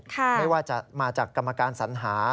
ไม่ว่าจะมาจากกรรมการสัญหา